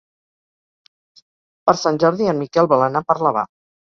Per Sant Jordi en Miquel vol anar a Parlavà.